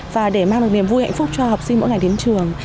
và để mang được niềm vui hạnh phúc cho học sinh mỗi ngày đến trường